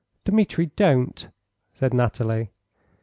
"Dmitri, don't!" said Nathalie.